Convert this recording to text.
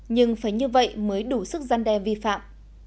nhưng phải như vậy mới đủ sức gian đe vi phạm